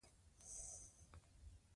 لوستې میندې د ماشوم سالم چاپېریال ساتي.